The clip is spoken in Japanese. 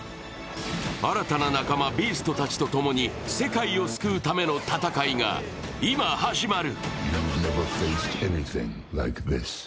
新たな仲間、ビーストたちとともに世界を救うための戦いが今、始まる。